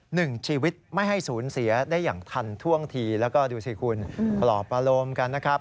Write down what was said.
หนึ่งชีวิตไม่ให้สูญเสียได้อย่างทันท่วงทีแล้วก็ดูสิคุณปลอบอารมณ์กันนะครับ